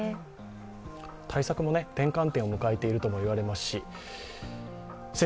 対策も転換点を迎えているとも言われているし。